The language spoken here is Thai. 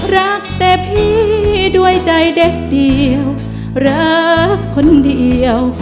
รักแต่พี่ด้วยใจเด็กเดียวรักคนเดียว